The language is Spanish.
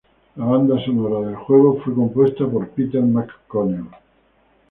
La banda sonora del juego fue compuesta por Peter McConnell.